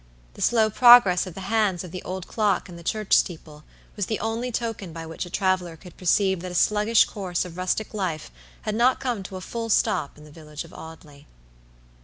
The slow progress of the hands of the old clock in the church steeple was the only token by which a traveler could perceive that a sluggish course of rustic life had not come to a full stop in the village of Audley.